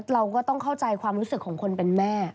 เราก็ต้องเข้าใจความรู้สึกของคนเป็นแม่